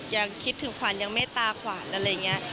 ยังคิดถึงขวัญยังเมตตาขวานอะไรอย่างนี้